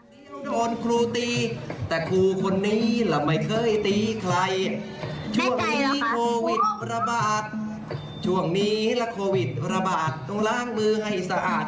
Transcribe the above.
นักเรียนลองมาทายดูกันว่าคุณครูนั้นสอนเรื่องอะไร